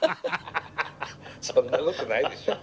そんなことないでしょ。